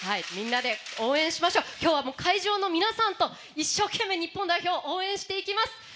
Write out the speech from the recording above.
今日は会場の皆さんと一生懸命、日本代表を応援していきます！